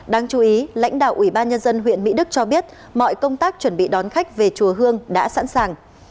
đáng chú ý lãnh đạo ủy ban nhân dân huyện mỹ đức cho biết mọi công tác chuẩn bị đón khách về chùa hương đã sẵn sàng